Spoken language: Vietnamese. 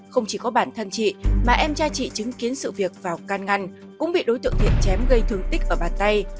không chỉ có bản thân chị mà em trai chị chứng kiến sự việc vào can ngăn cũng bị đối tượng hiệp chém gây thương tích ở bàn tay